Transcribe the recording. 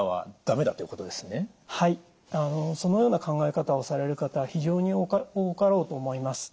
そのような考え方をされる方は非常に多かろうと思います。